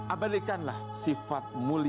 abadikanlah sifat mulia